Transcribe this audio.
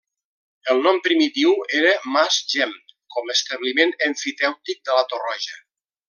El nom primitiu era Mas Gem, com establiment emfitèutic de la Torroja.